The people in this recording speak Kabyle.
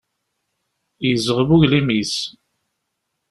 Yezɣeb uglim-is.